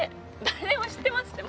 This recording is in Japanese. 誰でも知ってますって！